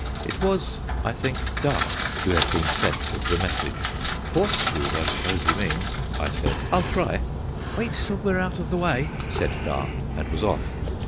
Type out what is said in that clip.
It was, I think, Dart who had been sent with the message. "Horseshoes, I suppose he means," I said. "I'll try." "Wait till we're out of the way," said Dart, and was off.